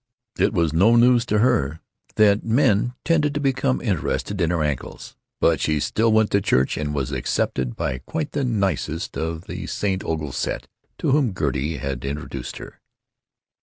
It was no news to her that men had a tendency to become interested in her ankles. But she still went to church and was accepted by quite the nicest of the St. Orgul's set, to whom Gertie had introduced her.